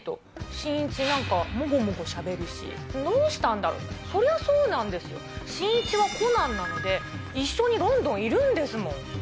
新一なんか、もごもごしゃべるし、どうしたんだろう、それはそうなんですよ、新一はコナンなので、一緒にロンドンいるんですもん。